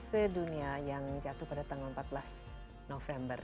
sedunia yang jatuh pada tanggal empat belas november